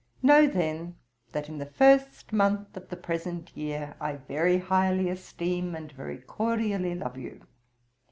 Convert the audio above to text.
Know then, that in the first month of the present year I very highly esteem and very cordially love you.